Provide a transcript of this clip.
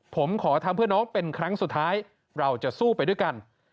ผมขอทำเพื่อน้องเป็นครั้งสุดท้ายเราจะสู้ไปด้วยกัน